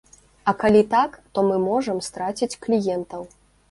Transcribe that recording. А калі так, то мы можам страціць кліентаў.